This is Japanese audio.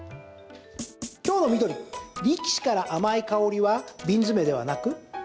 今日の緑、力士から甘い香りは瓶詰ではなく？